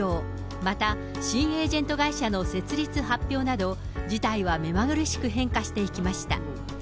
また、新エージェント会社の設立発表など、事態はめまぐるしく変化していきました。